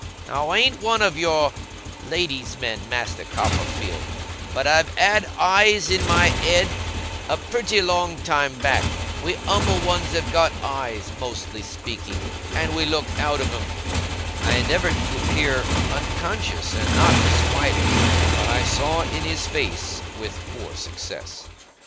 Now, I ain't one of your lady's men, Master Copperfield; but I've had eyes in my ed, a pretty long time back. We umble ones have got eyes, mostly speaking and we look out of 'em.' I endeavoured to appear unconscious and not disquieted, but, I saw in his face, with poor success.